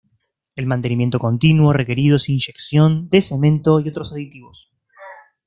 El mantenimiento continuo requerido es inyección de cemento y otros aditivos.